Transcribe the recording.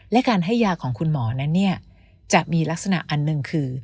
และการให้ยาของคุณหมอนั้นจะมีลักษณะอันหนึ่งคือ